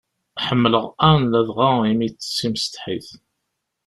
Ḥemmleɣ Anne ladɣa imi d timsetḥit.